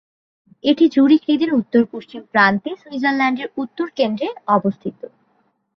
এটি জুরিখ হ্রদের উত্তর-পশ্চিম প্রান্তে সুইজারল্যান্ডের উত্তর-কেন্দ্রে অবস্থিত।